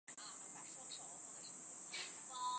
王处一的武功在七子之中数次强。